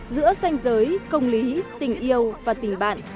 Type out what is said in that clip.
giữa xanh giới công lý tình yêu và tình bạn